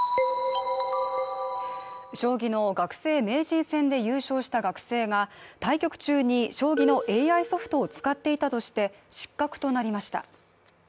将棋の学生名人戦で優勝した学生が対局中に将棋のＡＩソフトを使っていたとして失格となりました。